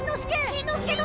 しんのすけ殿！